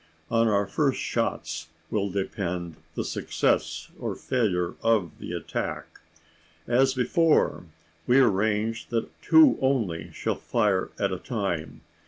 On our first shots will depend the success or failure of the attack. As before, we arrange that two only shall fire at a time.